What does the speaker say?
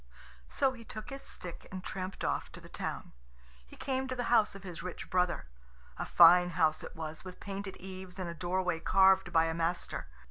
So he took his stick and tramped off to the town. He came to the house of his rich brother. A fine house it was, with painted eaves and a doorway carved by a master.